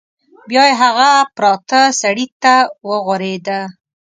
بیا یې هغه پراته سړي ته وغوریده.